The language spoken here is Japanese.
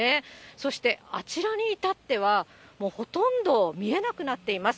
そして、あちらに至っては、もうほとんど見えなくなっています。